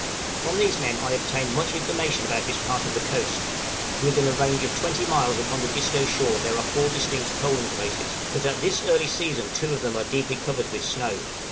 From these men I obtained much information about this part of the coast; within a range of 20 miles upon the Disco shore there are four distinct coaling places; but at this early season two of them are deeply covered with snow.